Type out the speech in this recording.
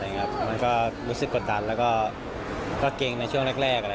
มันก็รู้สึกกดดันแล้วก็เกรงในช่วงแรก